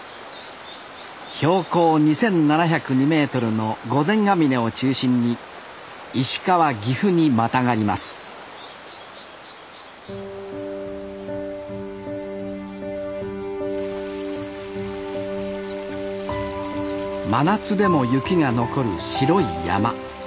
標高２，７０２メートルの御前峰を中心に石川岐阜にまたがります真夏でも雪が残る白い山。